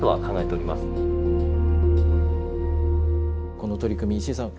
この取り組み石井さん